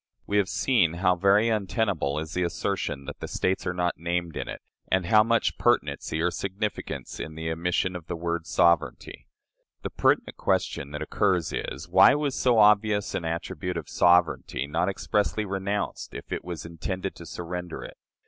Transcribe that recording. We have seen how very untenable is the assertion that the States are not named in it, and how much pertinency or significance in the omission of the word "sovereignty." The pertinent question that occurs is, Why was so obvious an attribute of sovereignty not expressly renounced if it was intended to surrender it?